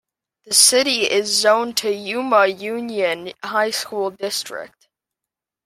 The city is zoned to the Yuma Union High School District.